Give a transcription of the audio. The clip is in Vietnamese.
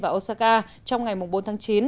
và osaka trong ngày bốn tháng chín